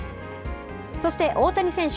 そして大谷選手